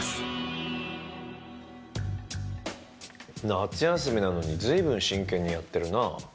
夏休みなのに随分真剣にやってるなぁ。